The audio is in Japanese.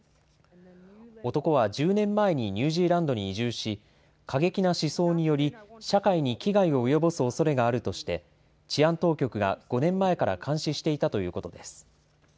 男は１０年前にニュージーランドに移住し過激な思想により社会に危害を及ぼすおそれがあるとして治安当局が５年前から監視していたということです。